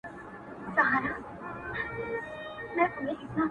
دا كړوپه انا غواړي ـداسي هاسي نه كــــيــــږي ـ